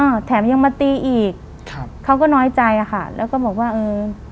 แถมยังมาตีอีกครับเขาก็น้อยใจอ่ะค่ะแล้วก็บอกว่าเออ